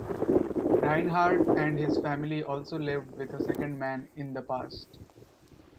Reinhardt and his family also lived with a second man in the past.